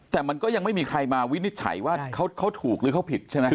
แต่มันก็ยังไม่มีใครมาวินิจฉัยว่าเขาถูกหรือเขาผิดใช่ไหม